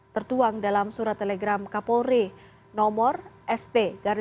tertuang dalam surat telegram kapolri nomor sd dua ribu dua ratus tujuh puluh delapan sepuluh dua ribu dua puluh satu